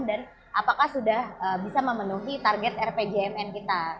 dan apakah sudah bisa memenuhi target rpjmn kita